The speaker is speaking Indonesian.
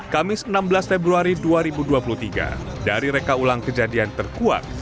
kamis enam belas februari dua ribu dua puluh tiga dari reka ulang kejadian terkuat